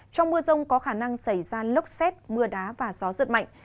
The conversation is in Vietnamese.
trong mưa rông có khả năng xảy ra lốc xét mưa đá và gió giật mạnh